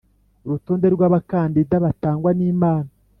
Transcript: urutonde rw abakandida batangwa n Inama